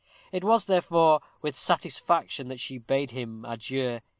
It was, therefore, with satisfaction that she bade him adieu.